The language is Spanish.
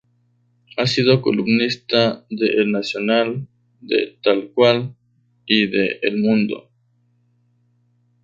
Ha sido columnista de El Nacional, de Tal Cual y de El Mundo.